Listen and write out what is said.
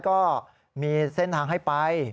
ก็มีเส้นทางให้ไป